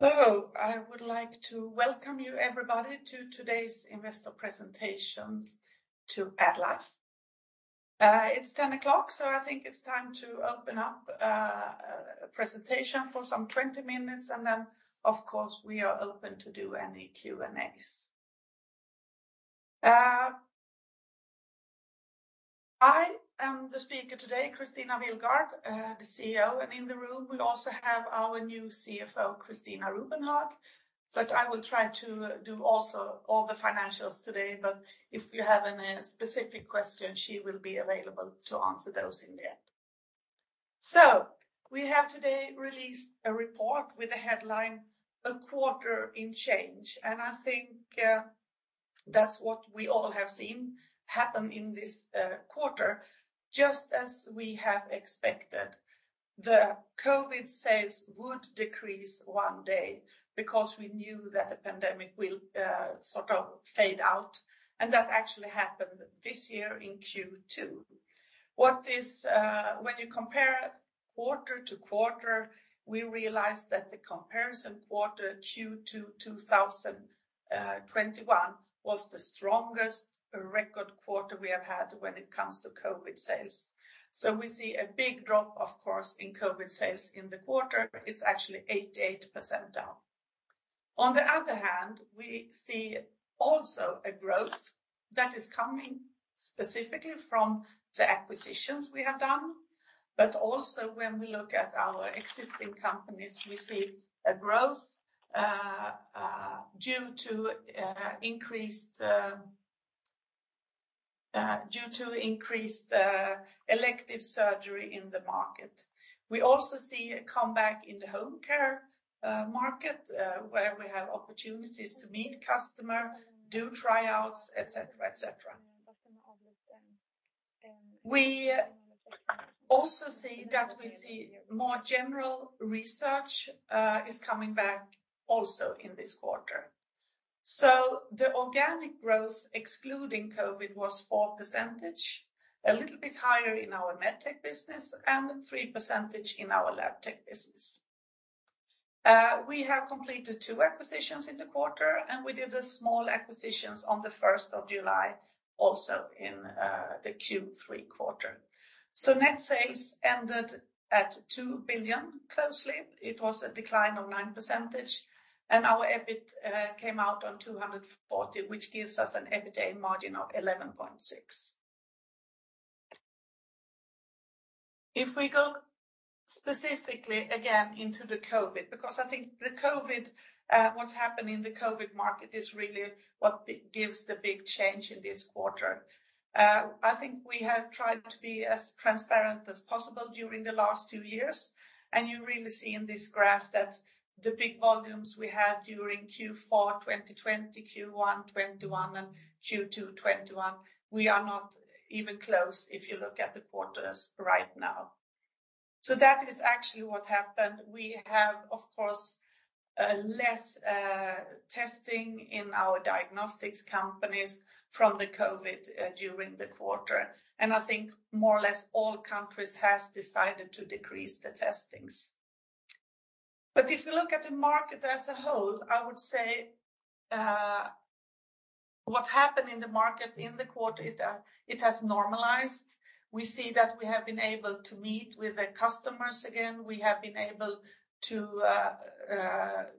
Hello. I would like to welcome you everybody to today's investor presentation to AddLife. It's 10 o'clock, so I think it's time to open up a presentation for some 20 minutes, and then, of course, we are open to do any Q&As. I am the speaker today, Kristina Willgård, CEO. In the room we also have our new CFO, Christina Rubenhag. I will try to do also all the financials today. If you have any specific question, she will be available to answer those in the end. We have today released a report with the headline, A Quarter in Change. I think that's what we all have seen happen in this quarter. Just as we have expected, the COVID sales would decrease one day, because we knew that the pandemic will sort of fade out, and that actually happened this year in Q2. When you compare quarter to quarter, we realize that the comparison quarter Q2 2021 was the strongest record quarter we have had when it comes to COVID sales. We see a big drop, of course, in COVID sales in the quarter. It's actually 88% down. On the other hand, we see also a growth that is coming specifically from the acquisitions we have done. Also, when we look at our existing companies, we see a growth due to increased elective surgery in the market. We also see a comeback in the home care market, where we have opportunities to meet customer, do tryouts, etc.. We also see that more general research is coming back also in this quarter. The organic growth excluding COVID was 4%, a little bit higher in our Medtech business and 3% in our Labtech business. We have completed two acquisitions in the quarter, and we did a small acquisitions on the first of July, also in the Q3 quarter. Net sales ended at 2 billion SEK. It was a decline of 9%. Our Adjusted EBITDA came out on 240 million, which gives us an EBITDA margin of 11.6%. If we go specifically again into the COVID, because I think the COVID, what's happened in the COVID market is really what gives the big change in this quarter. I think we have tried to be as transparent as possible during the last two years. You really see in this graph that the big volumes we had during Q4 2020, Q1 2021, and Q2 2021, we are not even close if you look at the quarters right now. That is actually what happened. We have, of course, less testing in our diagnostics companies from the COVID during the quarter. I think more or less all countries has decided to decrease the testings. If you look at the market as a whole, I would say, what happened in the market in the quarter is that it has normalized. We see that we have been able to meet with the customers again. We have been able to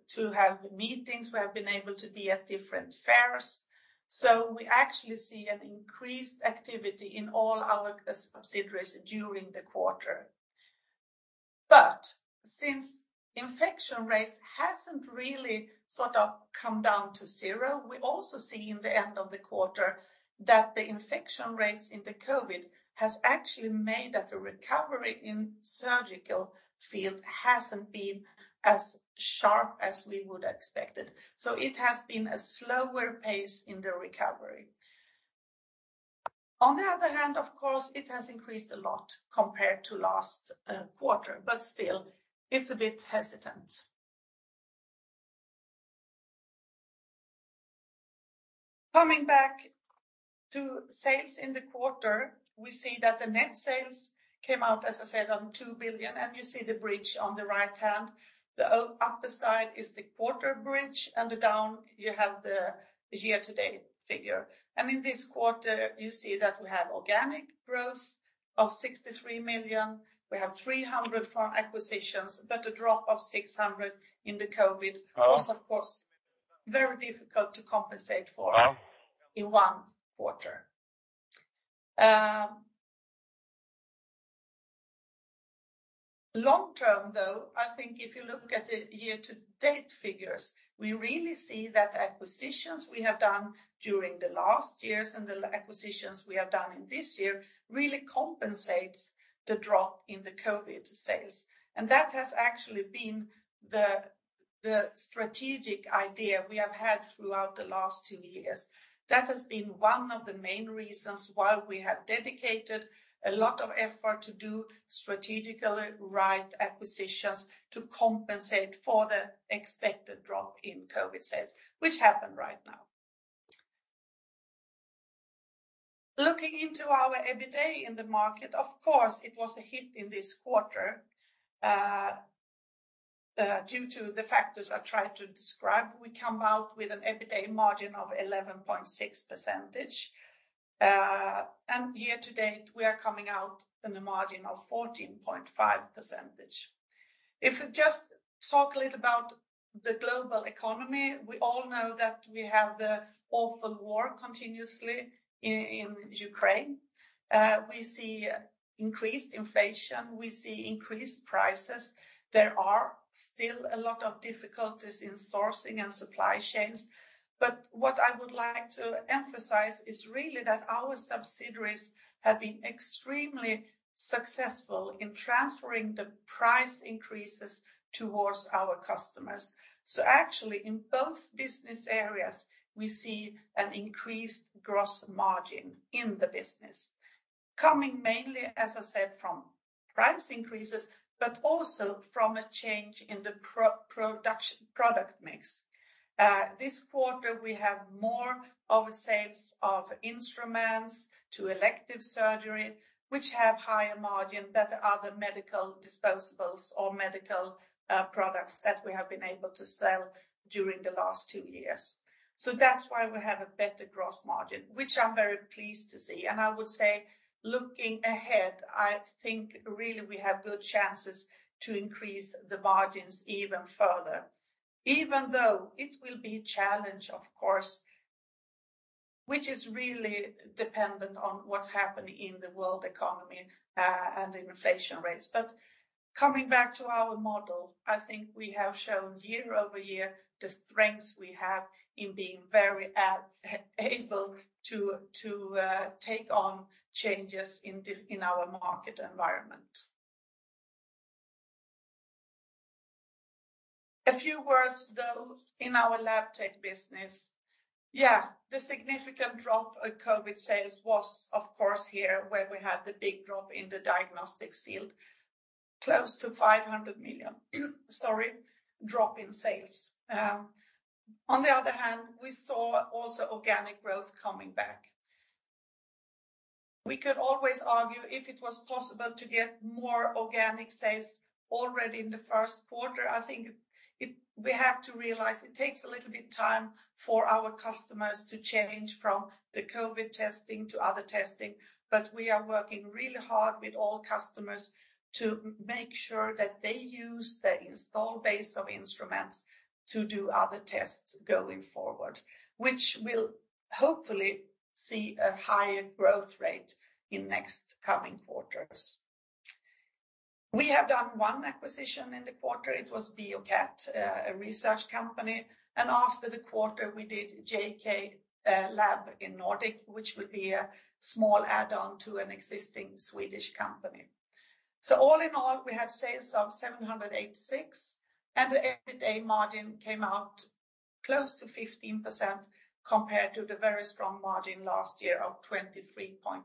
to have meetings. We have been able to be at different fairs. We actually see an increased activity in all our subsidiaries during the quarter. Since infection rates hasn't really sort of come down to zero, we also see in the end of the quarter that the infection rates in the COVID has actually made that the recovery in surgical field hasn't been as sharp as we would expected. It has been a slower pace in the recovery. On the other hand, of course, it has increased a lot compared to last quarter, but still it's a bit hesitant. Coming back to sales in the quarter, we see that the net sales came out, as I said, on 2 billion, and you see the bridge on the right hand. The upper side is the quarter bridge and below you have the year to date figure. In this quarter you see that we have organic growth of 63 million. We have 300 for acquisitions, but a drop of 600 in the COVID sales was, of course, very difficult to compensate for in one quarter. Long-term, though, I think if you look at the year to date figures, we really see that acquisitions we have done during the last years and the acquisitions we have done in this year really compensates the drop in the COVID sales. That has actually been the strategic idea we have had throughout the last two years. That has been one of the main reasons why we have dedicated a lot of effort to do strategically right acquisitions to compensate for the expected drop in COVID sales, which happened right now. Looking into our Adjusted EBITDA in the market, of course, it was a hit in this quarter, due to the factors I tried to describe. We come out with an Adjusted EBITDA margin of 11.6%. And year to date, we are coming out in a margin of 14.5%. If we just talk a little about the global economy, we all know that we have the awful war continuously in Ukraine. We see increased inflation, we see increased prices. There are still a lot of difficulties in sourcing and supply chains. What I would like to emphasize is really that our subsidiaries have been extremely successful in transferring the price increases towards our customers. Actually, in both business areas, we see an increased gross margin in the business. Coming mainly, as I said, from price increases, but also from a change in the product mix. This quarter, we have more of a sales of instruments to elective surgery, which have higher margin than other medical disposables or medical products that we have been able to sell during the last two years. That's why we have a better gross margin, which I'm very pleased to see. I would say, looking ahead, I think really we have good chances to increase the margins even further. Even though it will be a challenge, of course, which is really dependent on what's happening in the world economy, and inflation rates. Coming back to our model, I think we have shown YoY the strengths we have in being very able to take on changes in our market environment. A few words, though, in our Labtech business. Yeah, the significant drop of COVID sales was, of course, here, where we had the big drop in the diagnostics field, close to 500 million, sorry, drop in sales. On the other hand, we saw also organic growth coming back. We could always argue if it was possible to get more organic sales already in the first quarter. I think it. We have to realize it takes a little bit time for our customers to change from the COVID testing to other testing. We are working really hard with all customers to make sure that they use the install base of instruments to do other tests going forward, which will hopefully see a higher growth rate in next coming quarters. We have done one acquisition in the quarter. It was BioCat, a research company. After the quarter, we did JK Lab Nordic, which would be a small add-on to an existing Swedish company. All in all, we had sales of 786, and the EBITDA margin came out close to 15% compared to the very strong margin last year of 23.9%.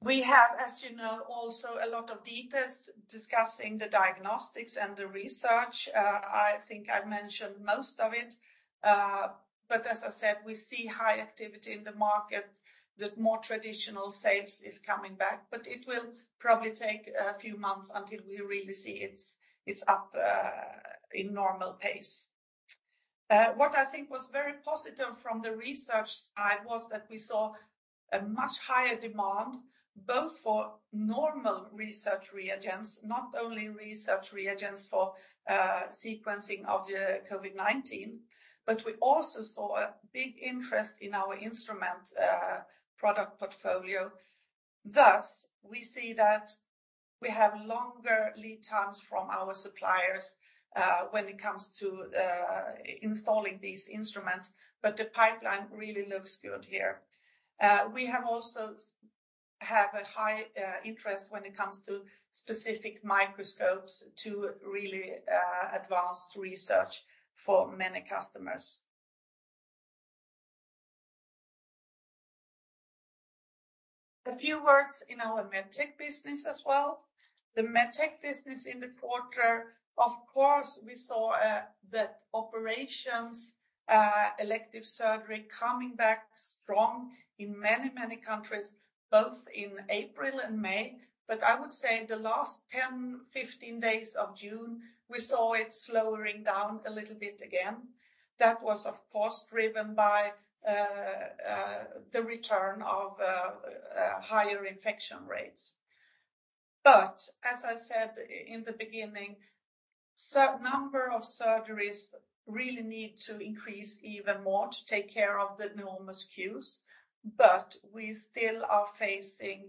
We have, as you know, also a lot of details discussing the diagnostics and the research. I think I've mentioned most of it. As I said, we see high activity in the market, that more traditional sales is coming back, but it will probably take a few months until we really see it's up in normal pace. What I think was very positive from the research side was that we saw a much higher demand, both for normal research reagents, not only research reagents for sequencing of the COVID-19, but we also saw a big interest in our instrument product portfolio. Thus, we see that we have longer lead times from our suppliers when it comes to installing these instruments, but the pipeline really looks good here. We have a high interest when it comes to specific microscopes to really advance research for many customers. A few words in our Medtech business as well. The Medtech business in the quarter, of course, we saw that operations, elective surgery coming back strong in many countries, both in April and May. I would say in the last 10, 15 days of June, we saw it slowing down a little bit again. That was, of course, driven by the return of higher infection rates. As I said in the beginning, number of surgeries really need to increase even more to take care of the enormous queues. We still are facing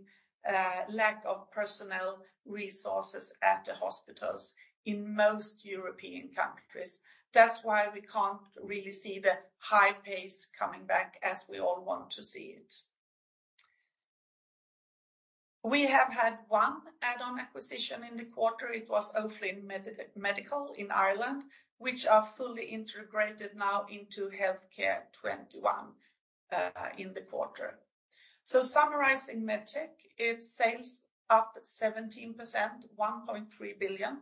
a lack of personnel resources at the hospitals in most European countries. That's why we can't really see the high pace coming back as we all want to see it. We have had one add-on acquisition in the quarter. It was O'Flynn Medical in Ireland, which are fully integrated now into Healthcare 21 in the quarter. Summarizing Medtech, its sales up 17%, 1.3 billion.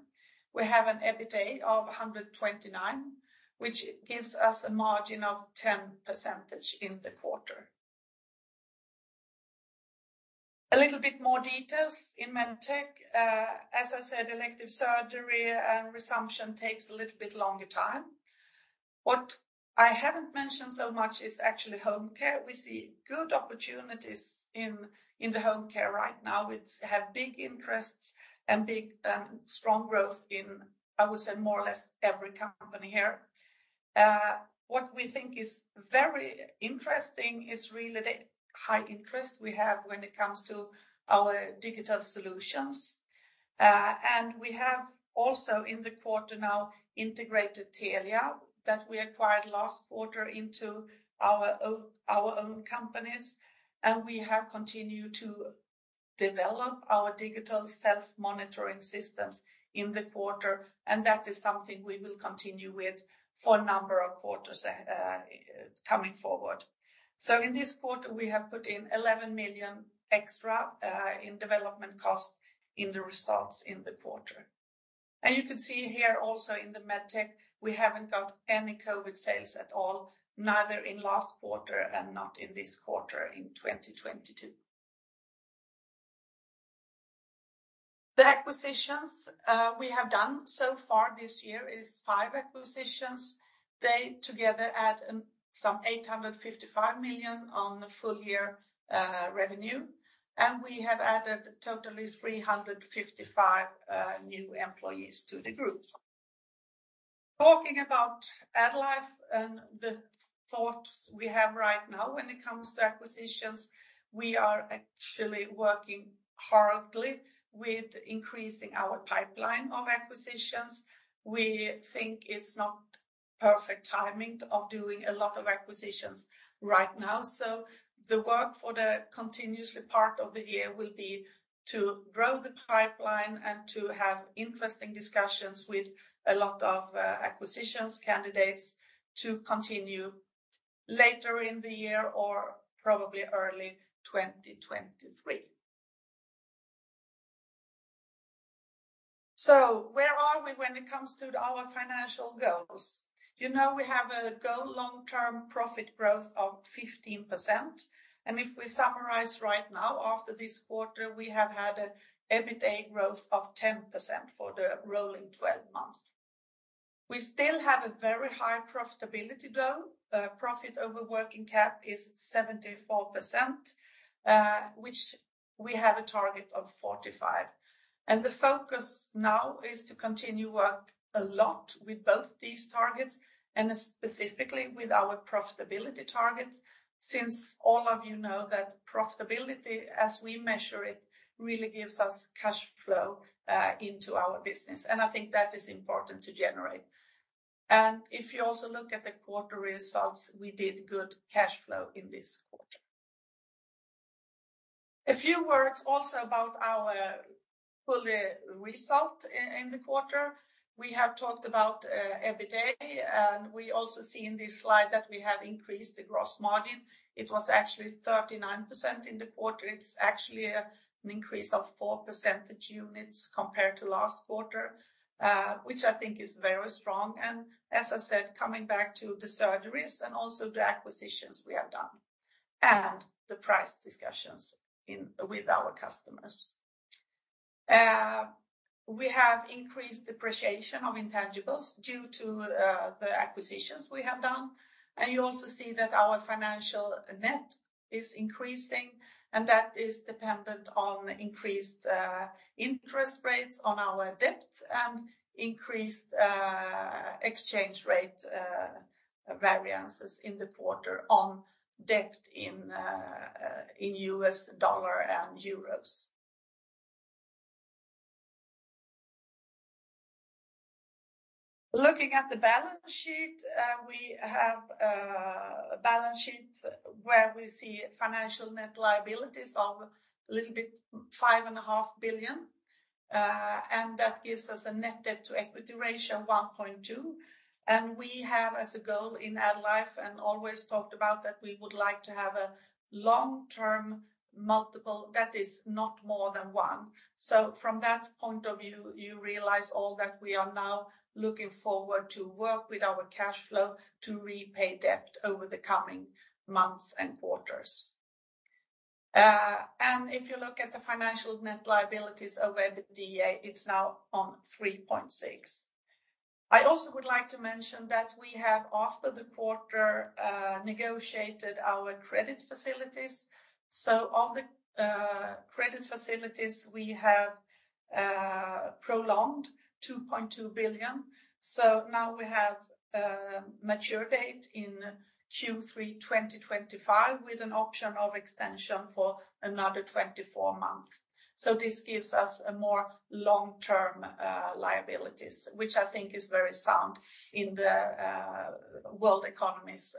We have an EBITA of 129 million, which gives us a margin of 10% in the quarter. A little bit more details in Medtech. As I said, elective surgery and resumption takes a little bit longer time. What I haven't mentioned so much is actually home care. We see good opportunities in the home care right now, which have big interests and big strong growth in, I would say, more or less every company here. What we think is very interesting is really the high interest we have when it comes to our digital solutions. We have also in the quarter now integrated Telia Health Monitoring that we acquired last quarter into our own companies, and we have continued to develop our digital self-monitoring systems in the quarter, and that is something we will continue with for a number of quarters coming forward. In this quarter, we have put in 11 million extra in development cost in the results in the quarter. You can see here also in the Medtech, we haven't got any COVID sales at all, neither in last quarter and not in this quarter in 2022. The acquisitions we have done so far this year is five acquisitions. They together add some 855 million on full year revenue, and we have added totally 355 new employees to the group. Talking about AddLife and the thoughts we have right now when it comes to acquisitions, we are actually working hard with increasing our pipeline of acquisitions. We think it's not perfect timing of doing a lot of acquisitions right now. The work for the continuing part of the year will be to grow the pipeline and to have interesting discussions with a lot of acquisition candidates to continue later in the year or probably early 2023. Where are we when it comes to our financial goals? You know, we have a goal long-term profit growth of 15%. If we summarize right now after this quarter, we have had an Adjusted EBITDA growth of 10% for the rolling twelve months. We still have a very high profitability though. Profit over working capital is 74%, which we have a target of 45%. The focus now is to continue work a lot with both these targets and specifically with our profitability targets since all of you know that profitability as we measure it really gives us cash flow into our business. I think that is important to generate. If you also look at the quarter results, we did good cash flow in this quarter. A few words also about our full result in the quarter. We have talked about Adjusted EBITDA, and we also see in this slide that we have increased the gross margin. It was actually 39% in the quarter. It's actually an increase of 4% units compared to last quarter, which I think is very strong. As I said, coming back to the surgeries and also the acquisitions we have done and the price discussions in with our customers. We have increased depreciation of intangibles due to the acquisitions we have done, and you also see that our financial net is increasing, and that is dependent on increased interest rates on our debt and increased exchange rate variances in the quarter on debt in U.S. dollar and euros. Looking at the balance sheet, we have a balance sheet where we see financial net liabilities of a little bit 5.5 billion, and that gives us a net debt to equity ratio of 1.2. We have as a goal in AddLife and always talked about that we would like to have a long-term multiple that is not more than 1. From that point of view, you realize all that we are now looking forward to work with our cash flow to repay debt over the coming months and quarters. If you look at the net financial liabilities to Adjusted EBITDA, it's now 3.6. I also would like to mention that we have, after the quarter, negotiated our credit facilities. Of the credit facilities, we have prolonged 2.2 billion. Now we have a maturity date in Q3 2025 with an option of extension for another 24 months. This gives us a more long-term liabilities, which I think is very sound in the world economies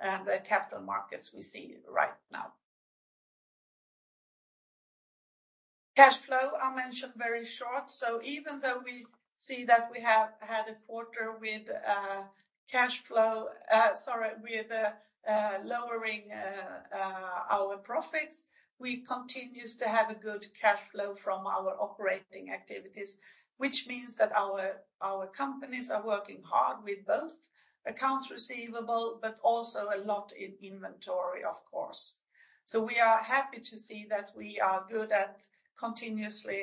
and the capital markets we see right now. Cash flow, I mentioned very short. Even though we see that we have had a quarter with lowering our profits, we continues to have a good cash flow from our operating activities, which means that our companies are working hard with both accounts receivable but also a lot in inventory, of course. We are happy to see that we are good at continuously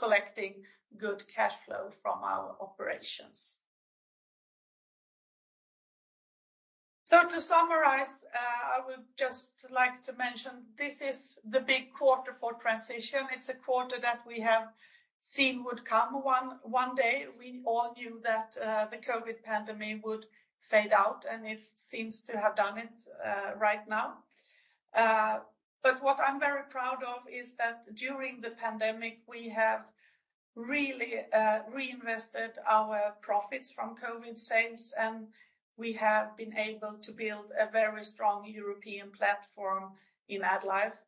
collecting good cash flow from our operations. To summarize, I would just like to mention this is the big quarter for transition. It's a quarter that we have seen would come one day. We all knew that the COVID pandemic would fade out, and it seems to have done it right now. What I'm very proud of is that during the pandemic, we have really reinvested our profits from COVID sales, and we have been able to build a very strong European platform in AddLife.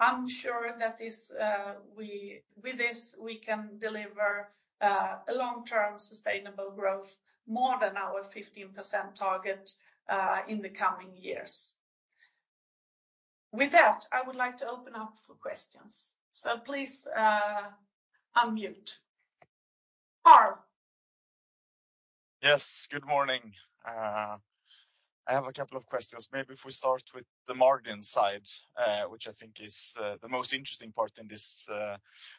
I'm sure that this, with this, we can deliver a long-term sustainable growth more than our 15% target in the coming years. With that, I would like to open up for questions. Please, unmute. Carl. Yes, good morning. I have a couple of questions. Maybe if we start with the margin side, which I think is the most interesting part in this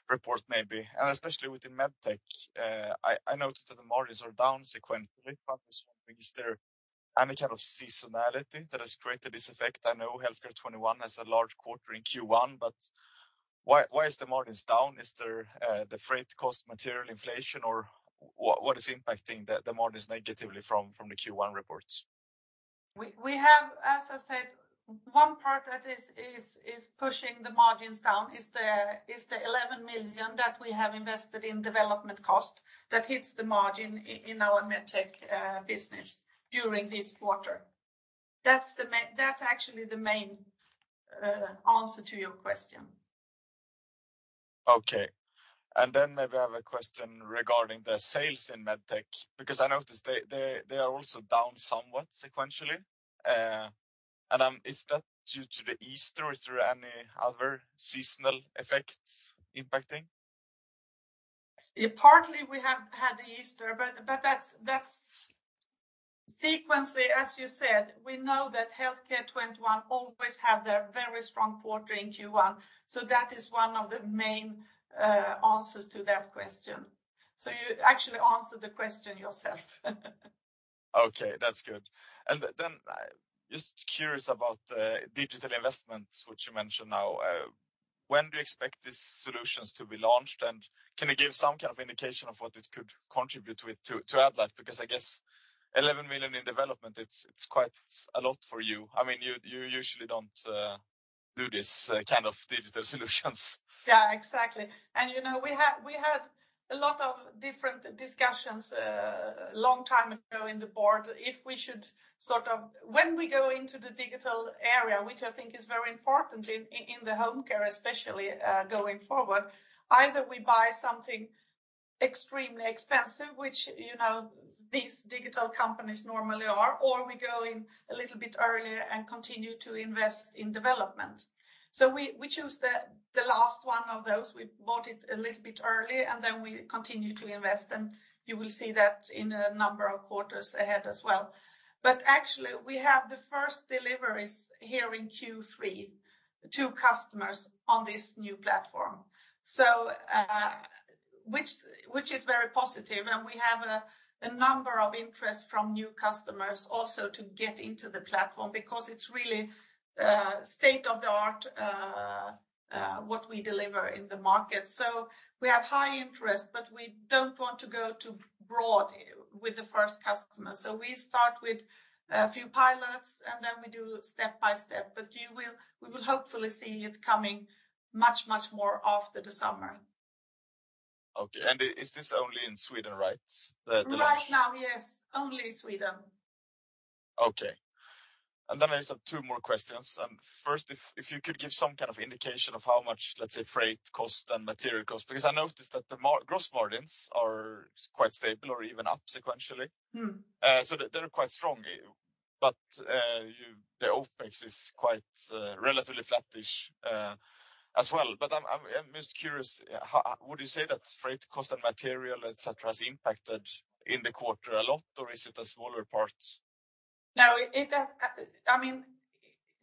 report maybe. Especially within Medtech, I noticed that the margins are down sequentially. Is there any kind of seasonality that has created this effect? I know Healthcare 21 has a large quarter in Q1, but why is the margins down? Is there the freight cost, material inflation, or what is impacting the margins negatively from the Q1 reports? As I said, one part that is pushing the margins down is the 11 million that we have invested in development cost that hits the margin in our Medtech business during this quarter. That's actually the main answer to your question. Okay. Maybe I have a question regarding the sales in Medtech because I noticed they are also down somewhat sequentially. Is that due to Easter, or is there any other seasonal effects impacting? Yeah, partly we have had the Easter, but that's. Sequentially, as you said, we know that Healthcare 21 always have their very strong quarter in Q1, so that is one of the main answers to that question. So you actually answered the question yourself. Okay, that's good. Just curious about the digital investments which you mentioned now. When do you expect these solutions to be launched, and can you give some kind of indication of what it could contribute with to AddLife? Because I guess 11 million in development, it's quite a lot for you. I mean, you usually don't do this kind of digital solutions. Yeah, exactly. You know we had a lot of different discussions long time ago in the board if we should. When we go into the digital area, which I think is very important in the home care especially, going forward, either we buy something extremely expensive, which, you know, these digital companies normally are, or we go in a little bit earlier and continue to invest in development. We choose the last one of those. We bought it a little bit early, and then we continue to invest. You will see that in a number of quarters ahead as well. Actually, we have the first deliveries here in Q3 to customers on this new platform. Which is very positive, and we have a number of interest from new customers also to get into the platform because it's really state-of-the-art what we deliver in the market. We have high interest, but we don't want to go too broad with the first customer. We start with a few pilots, and then we do step by step. We will hopefully see it coming much more after the summer. Okay. Is this only in Sweden, right? The launch. Right now, yes, only in Sweden. Okay. I just have two more questions. First, if you could give some kind of indication of how much, let's say, freight cost and material cost. Because I noticed that gross margins are quite stable or even up sequentially. They're quite strong. The OpEx is quite relatively flattish as well. I'm just curious, how would you say that freight cost and material etc. Has impacted in the quarter a lot, or is it a smaller part? No, I mean,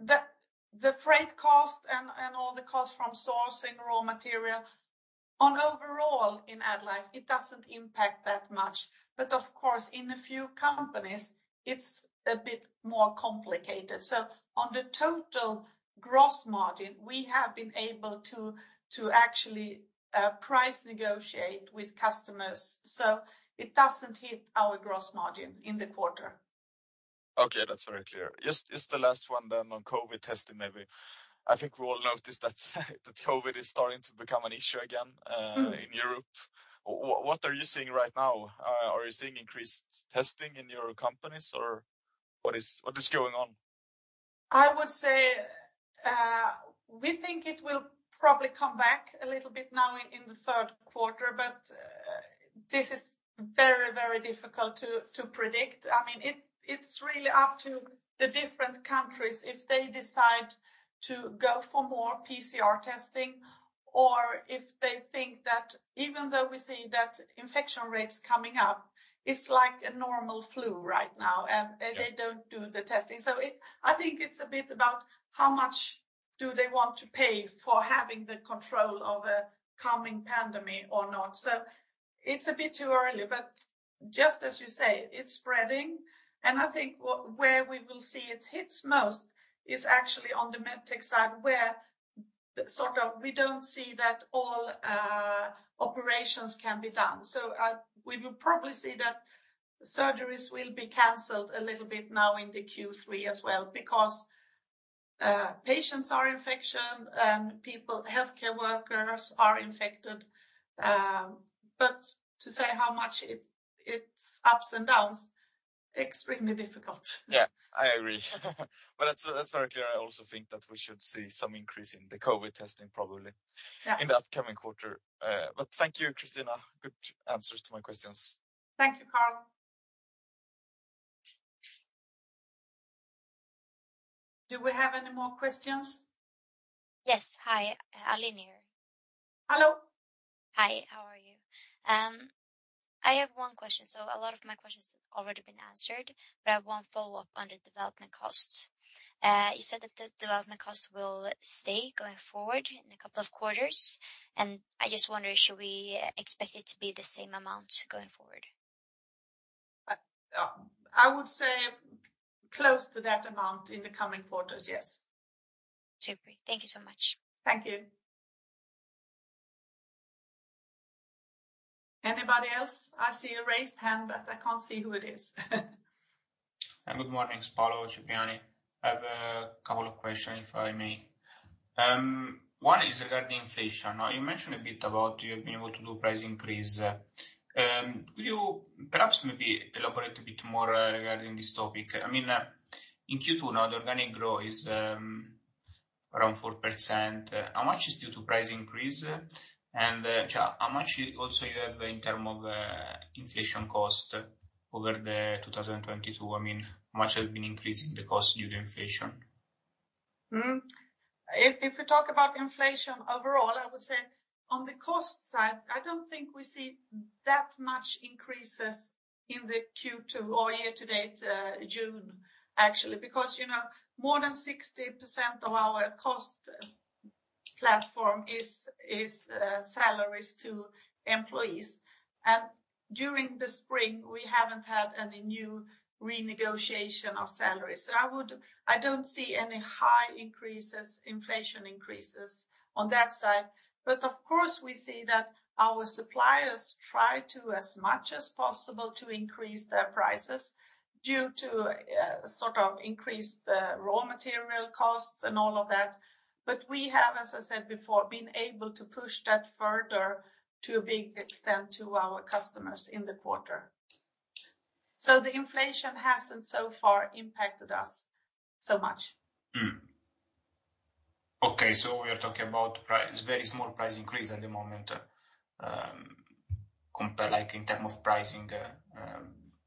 the freight cost and all the costs from sourcing raw material and overall in AddLife, it doesn't impact that much. Of course, in a few companies, it's a bit more complicated. On the total gross margin, we have been able to actually price negotiate with customers, so it doesn't hit our gross margin in the quarter. Okay, that's very clear. Just the last one then on COVID testing maybe. I think we all noticed that COVID is starting to become an issue again in Europe. What are you seeing right now? Are you seeing increased testing in your companies or what is going on? I would say, we think it will probably come back a little bit now in the third quarter, but this is very difficult to predict. I mean, it's really up to the different countries if they decide to go for more PCR testing or if they think that even though we see that infection rates coming up, it's like a normal flu right now. Yeah They don't do the testing. I think it's a bit about how much they want to pay for having the control over coming pandemic or not. It's a bit too early, but just as you say, it's spreading, and I think where we will see it hits most is actually on the Medtech side, where sort of we don't see that all operations can be done. We will probably see that surgeries will be canceled a little bit now in the Q3 as well because patients are infected and people, healthcare workers are infected. To say how much it's ups and downs, extremely difficult. Yeah. I agree. That's very clear. I also think that we should see some increase in the COVID testing probably. Yeah In the upcoming quarter. Thank you, Kristina. Good answers to my questions. Thank you, Carl. Do we have any more questions? Yes. Hi. Aline here. Hello. Hi. How are you? I have one question. A lot of my questions have already been answered, but I want follow up on the development costs. You said that the development costs will stay going forward in a couple of quarters, and I just wonder, should we expect it to be the same amount going forward? I would say close to that amount in the coming quarters, yes. Super. Thank you so much. Thank you. Anybody else? I see a raised hand, but I can't see who it is. Good morning. It's Paolo Cipriani. I have a couple of questions, if I may. One is regarding inflation. Now, you mentioned a bit about you have been able to do price increase. Will you perhaps maybe elaborate a bit more, regarding this topic? I mean, in Q2 now, the organic growth is, around 4%. How much is due to price increase? And, how much also you have in terms of, inflation cost over the 2022? I mean, how much has been increasing the cost due to inflation? If we talk about inflation overall, I would say on the cost side, I don't think we see that much increases in the Q2 or year to date, June, actually. You know, more than 60% of our cost platform is salaries to employees. During the spring, we haven't had any new renegotiation of salaries. I don't see any high increases, inflation increases on that side. Of course, we see that our suppliers try to, as much as possible, to increase their prices due to sort of increased raw material costs and all of that. We have, as I said before, been able to push that further to a big extent to our customers in the quarter. The inflation hasn't so far impacted us so much. We are talking about very small price increase at the moment, compared, like, in terms of pricing,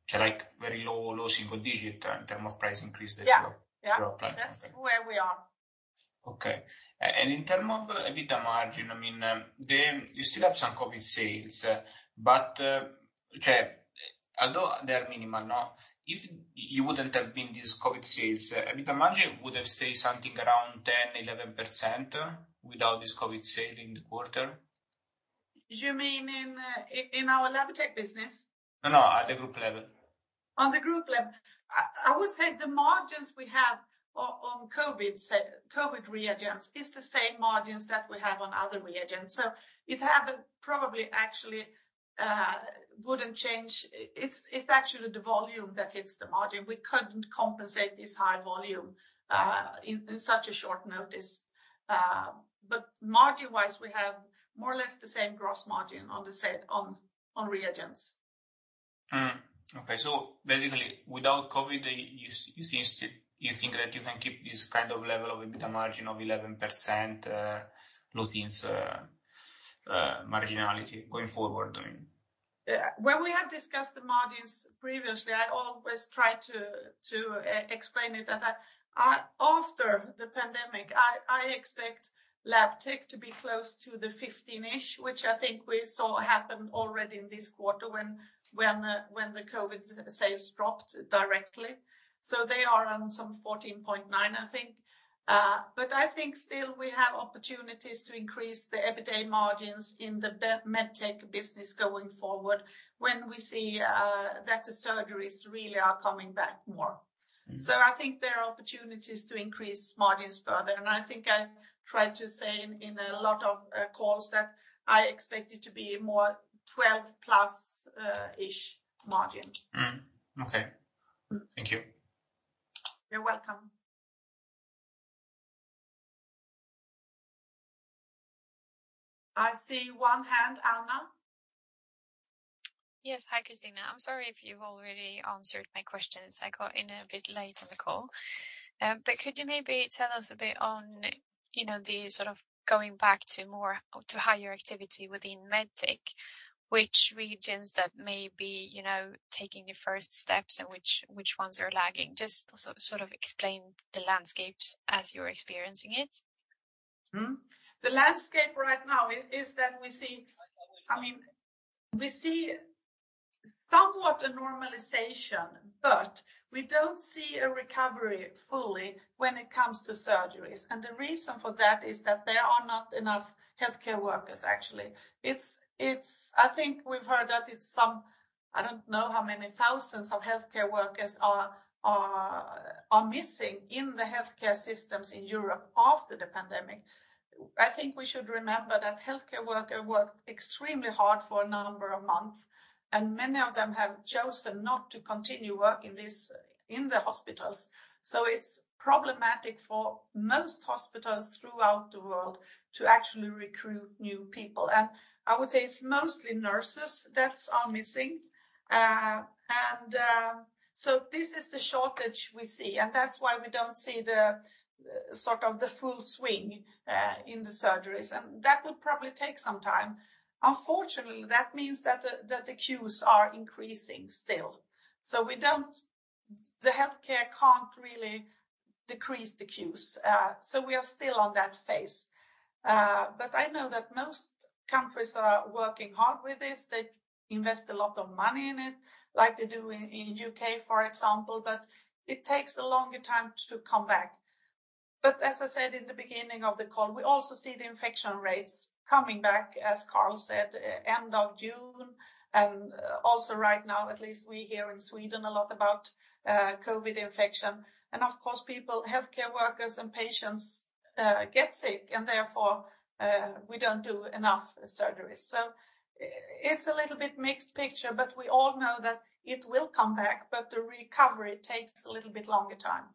so, like, very low single digit in terms of price increase that you are. Yeah You are planning. Yeah. That's where we are. In terms of Adjusted EBITDA margin, I mean, you still have some COVID sales, but although they are minimal now, if you wouldn't have been these COVID sales, EBITDA margin would have stayed something around 10%-11% without this COVID sale in the quarter? You mean in our Labtech business? No, no, at the group level. On the group level. I would say the margins we have on COVID reagents is the same margins that we have on other reagents. It haven't probably actually wouldn't change. It's actually the volume that hits the margin. We couldn't compensate this high volume in such a short notice. Margin-wise, we have more or less the same gross margin on reagents. Okay. Basically without COVID, you think that you can keep this kind of level of EBITDA margin of 11%, AddLife's marginality going forward, I mean? When we have discussed the margins previously, I always try to explain it that after the pandemic, I expect Labtech to be close to the 15-ish%, which I think we saw happen already in this quarter when the COVID sales dropped directly. They are on some 14.9%, I think. I think still we have opportunities to increase the EBITDA margins in the Medtech business going forward when we see that the surgeries really are coming back more. I think there are opportunities to increase margins further, and I think I tried to say in a lot of calls that I expect it to be more +12% ish margin. Okay. Thank you. You're welcome. I see one hand. Anna? Yes. Hi, Kristina. I'm sorry if you've already answered my questions. I got in a bit late on the call. Could you maybe tell us a bit on, you know, the sort of going back to more, to higher activity within Medtech, which regions that may be, you know, taking the first steps and which ones are lagging? Just sort of explain the landscapes as you're experiencing it. The landscape right now is that we see. I mean, we see somewhat a normalization, but we don't see a recovery fully when it comes to surgeries, and the reason for that is that there are not enough healthcare workers, actually. I think we've heard that it's some, I don't know how many thousands of healthcare workers are missing in the healthcare systems in Europe after the pandemic. I think we should remember that healthcare worker worked extremely hard for a number of month, and many of them have chosen not to continue working this, in the hospitals. It's problematic for most hospitals throughout the world to actually recruit new people. I would say it's mostly nurses that are missing. This is the shortage we see, and that's why we don't see the, sort of the full swing in the surgeries, and that will probably take some time. Unfortunately, that means that the queues are increasing still. The healthcare can't really decrease the queues. We are still on that phase. I know that most countries are working hard with this. They invest a lot of money in it, like they do in U.K., for example. It takes a longer time to come back. As I said in the beginning of the call, we also see the infection rates coming back, as Carl said, end of June. Right now, at least we hear in Sweden a lot about COVID infection. Of course, people, healthcare workers and patients, get sick, and therefore, we don't do enough surgeries. It's a little bit mixed picture, but we all know that it will come back, but the recovery takes a little bit longer time.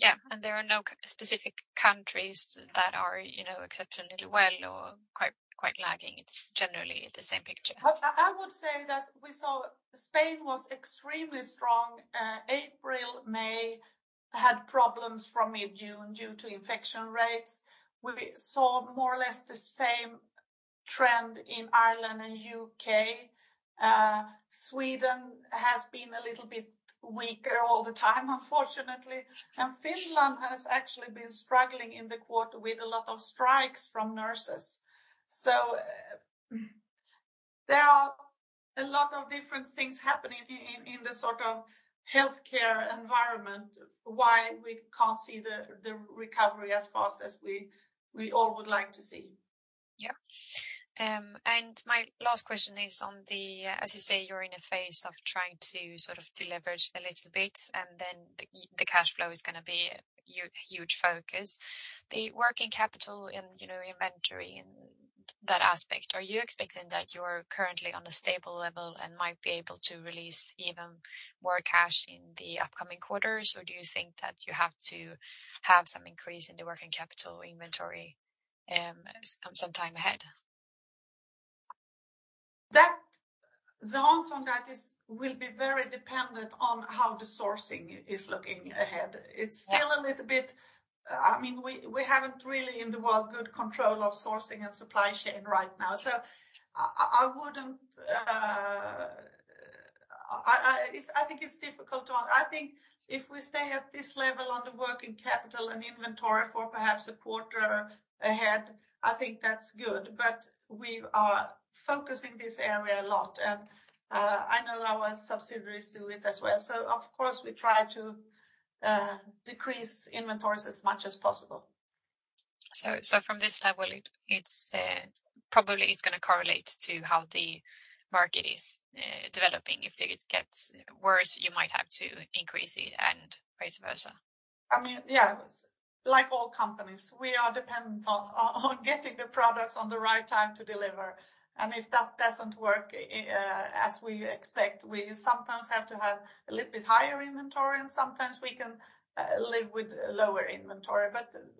Yeah. There are no COVID-specific countries that are, you know, exceptionally well or quite lagging. It's generally the same picture. I would say that we saw Spain was extremely strong, April, May. Had problems from mid-June due to infection rates. We saw more or less the same trend in Ireland and U.K. Sweden has been a little bit weaker all the time, unfortunately. Finland has actually been struggling in the quarter with a lot of strikes from nurses. There are a lot of different things happening in the sort of healthcare environment, why we can't see the recovery as fast as we all would like to see. Yeah, my last question is on the, as you say, you're in a phase of trying to sort of deleverage a little bit, and then the cash flow is gonna be a huge focus. The working capital and, you know, inventory and that aspect, are you expecting that you're currently on a stable level and might be able to release even more cash in the upcoming quarters? Or do you think that you have to have some increase in the working capital inventory, some time ahead? The answer on that is will be very dependent on how the sourcing is looking ahead. Yeah. It's still a little bit. I mean, we haven't really got good control of sourcing and supply chain right now. I think if we stay at this level on the working capital and inventory for perhaps a quarter ahead, I think that's good. We are focusing on this area a lot and I know our subsidiaries do it as well. Of course, we try to decrease inventories as much as possible. From this level, it's probably gonna correlate to how the market is developing. If it gets worse, you might have to increase it and vice versa. I mean, yeah. Like all companies, we are dependent on getting the products at the right time to deliver. If that doesn't work as we expect, we sometimes have to have a little bit higher inventory, and sometimes we can live with lower inventory.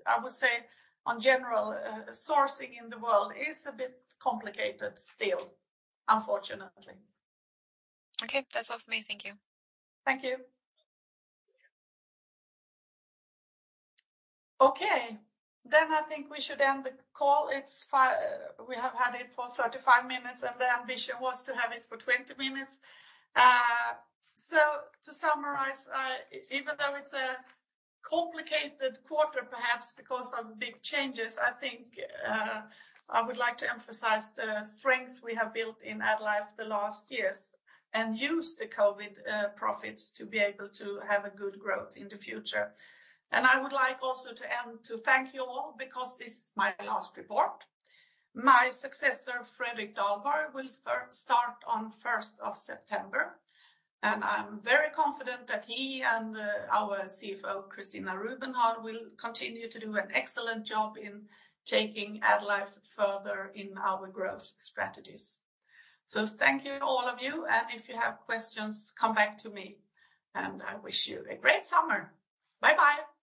I would say in general, sourcing in the world is a bit complicated still, unfortunately. Okay. That's all from me. Thank you. Thank you. Okay. I think we should end the call. We have had it for 35 minutes, and the ambition was to have it for 20 minutes. To summarize, even though it's a complicated quarter, perhaps because of big changes, I think I would like to emphasize the strength we have built in AddLife the last years and use the COVID profits to be able to have a good growth in the future. I would like also to end to thank you all because this is my last report. My successor, Fredrik Dalborg, will start on 1st of September, and I'm very confident that he and our CFO, Christina Rubenhag, will continue to do an excellent job in taking AddLife further in our growth strategies. Thank you to all of you, and if you have questions, come back to me. I wish you a great summer. Bye-bye.